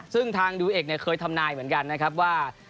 ซึ่งทางดูเอ็กเนี่ยเคยทำนายเหมือนกันนะครับว่า